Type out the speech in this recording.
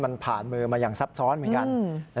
มันผ่านมือมาอย่างซับซ้อนเหมือนกัน